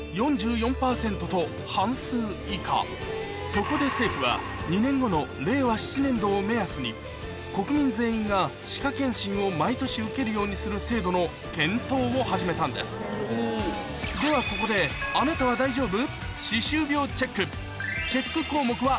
そこで政府は２年後の令和７年度を目安に国民全員が歯科健診を毎年受けるようにする制度の検討を始めたんですではここであなたは大丈夫？